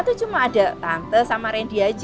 itu cuma ada tante sama randy aja